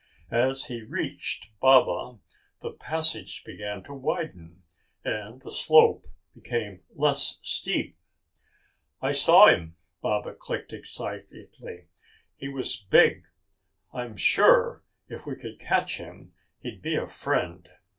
As he reached Baba, the passage began to widen and the slope became less steep. "I saw him," Baba clicked excitedly. "He was big. I'm sure if we could catch him he'd be a friend!